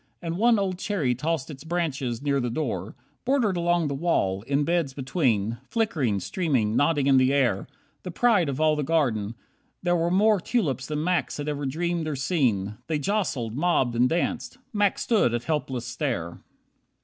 And one Old cherry tossed its branches near the door. Bordered along the wall, in beds between, Flickering, streaming, nodding in the air, The pride of all the garden, there were more Tulips than Max had ever dreamed or seen. They jostled, mobbed, and danced. Max stood at helpless stare.